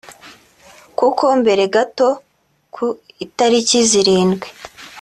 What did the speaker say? kuko mbere gato ku itariki zirindwi